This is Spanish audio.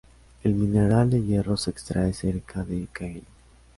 El mineral de hierro se extrae cerca de Caen.